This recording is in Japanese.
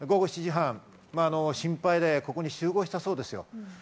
午後７時３０分、心配でここに集合したそうです。